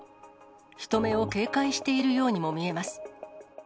人目を警戒しているようにも見えます。